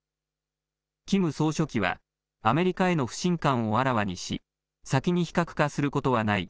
キム総書記はアメリカへの不信感をあらわにし先に非核化することはない。